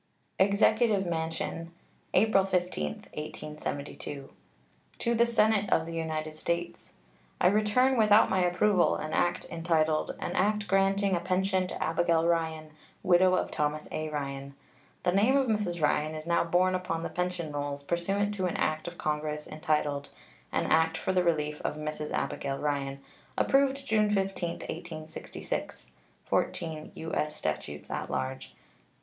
EXECUTIVE MANSION, April 15, 1872. To the Senate of the United States: I return without my approval an act entitled "An act granting a pension to Abigail Ryan, widow of Thomas A. Ryan." The name of Mrs. Ryan is now borne upon the pension rolls, pursuant to an act of Congress entitled "An act for the relief of Mrs. Abigail Ryan," approved June 15, 1866 (14 U.S. Statutes at Large, p.